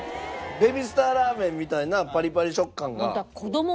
ベビースターラーメンみたいなパリパリ食感が。